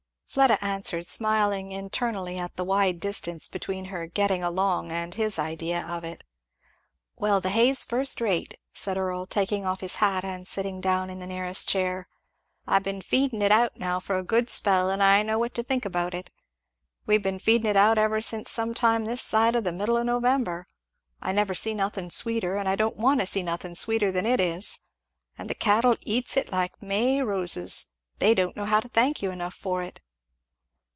Fleda answered, smiling internally at the wide distance between her "getting along" and his idea of it. "Well the hay's first rate!" said Earl, taking off his hat and sitting down in the nearest chair; "I've been feedin' it out, now, for a good spell, and I know what to think about it. We've been feedin' it out ever since some time this side o' the middle o' November; I never see nothin' sweeter, and I don't want to see nothin' sweeter than it is! and the cattle eats it like May roses they don't know how to thank you enough for it."